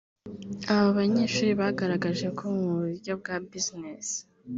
Aba banyeshuri bagaragje ko mu buryo bwa bizinesi